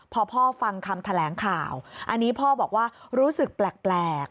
พอพ่อฟังคำแถลงข่าวอันนี้พ่อบอกว่ารู้สึกแปลก